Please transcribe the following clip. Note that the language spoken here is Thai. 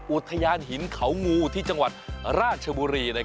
อุทยานหินเขางูที่จังหวัดราชบุรี